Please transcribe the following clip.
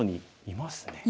いますね。